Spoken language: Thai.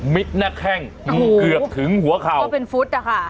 หน้าแข้งเกือบถึงหัวเข่าก็เป็นฟุตนะคะ